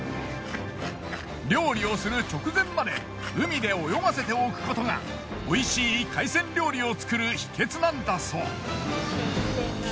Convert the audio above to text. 料理をする直前まで海で泳がせておくことがおいしい海鮮料理を作る秘訣なんだそう。